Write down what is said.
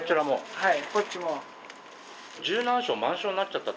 はい。